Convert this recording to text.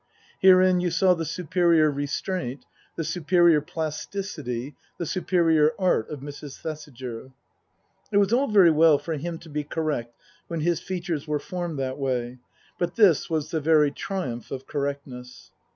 Herein you saw the superior restraint, the superior plasticity, the superior art of Mrs. Thesiger. It was all very well for him to be correct when his features were formed that way, but this was the very triumph of correctness.